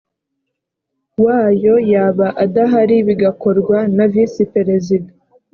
wayo yaba adahari bigakorwa na visi perezida